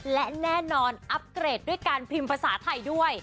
และแน่นอนอัปเกรดด้วยการพิมพ์ภาษาไทยด้วย